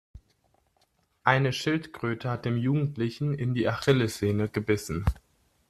Eine Schildkröte hat dem Jugendlichen in die Achillessehne gebissen.